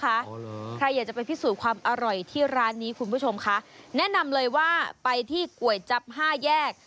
ใครอยากจะไปพิสูจน์ความอร่อยที่ร้านนี้คุณผู้ชมคะแนะนำเลยว่าไปที่ก๋วยจับห้าแยก